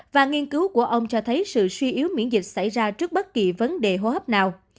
và nghiên cứu của ông cho thấy sự suy yếu miễn dịch xảy ra trước bất kỳ vấn đề hô hấp nào